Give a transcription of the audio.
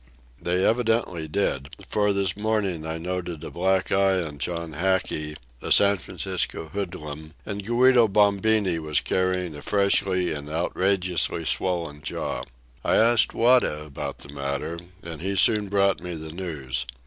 They evidently did; for this morning I noted a black eye on John Hackey, a San Francisco hoodlum, and Guido Bombini was carrying a freshly and outrageously swollen jaw. I asked Wada about the matter, and he soon brought me the news.